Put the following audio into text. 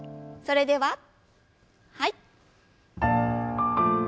それでははい。